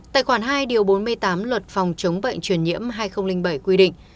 tài khoản hai bốn mươi tám luật phòng chống bệnh chuyển nhiễm hai nghìn bảy quy định